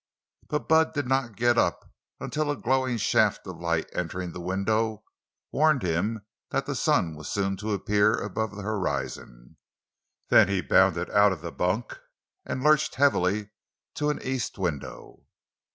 But Bud did not get up until a glowing shaft entering the window warned him that the sun was soon to appear above the horizon. Then he bounded out of the bunk and lurched heavily to an east window.